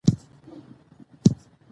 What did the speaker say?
تجارتي معاملې د بانک له لارې په اسانۍ کیږي.